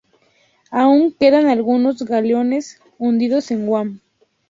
Aún quedan algunos galeones hundidos en Guam.